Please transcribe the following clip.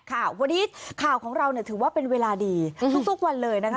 ค่ะวันนี้ข่าวของเราเนี่ยถือว่าเป็นเวลาดีทุกวันเลยนะคะ